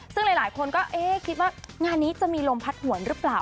ซึ่งหลายคนก็เอ๊ะคิดว่างานนี้จะมีลมพัดหวนหรือเปล่า